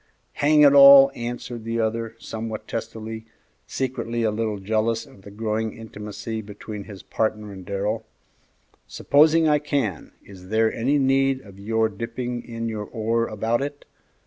"Hang it all!" answered the other, somewhat testily, secretly a little jealous of the growing intimacy between his partner and Darrell; "supposing I can, is there any need of your dipping in your oar about it?